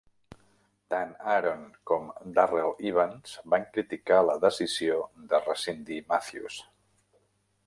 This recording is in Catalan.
Tant Aaron com Darrell Evans, van criticar la decisió de rescindir Mathews.